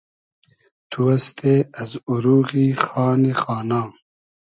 تو استې از اوروغی خانی خانا